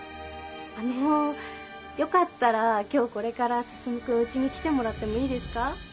あのよかったら今日これから進君うちに来てもらってもいいですか？